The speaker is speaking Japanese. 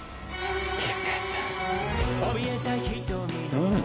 うん！